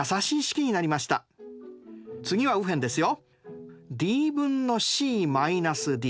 次は右辺ですよ。